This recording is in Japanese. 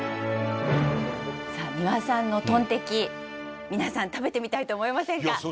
さあ丹羽さんのトンテキ皆さん食べてみたいと思いませんか？